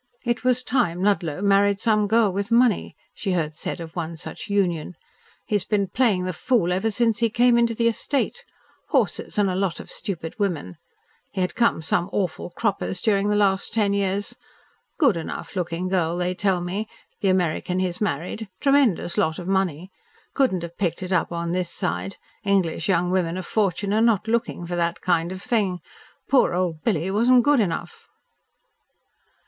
"It was time Ludlow married some girl with money," she heard said of one such union. "He had been playing the fool ever since he came into the estate. Horses and a lot of stupid women. He had come some awful croppers during the last ten years. Good enough looking girl, they tell me the American he has married tremendous lot of money. Couldn't have picked it up on this side. English young women of fortune are not looking for that kind of thing. Poor old Billy wasn't good enough."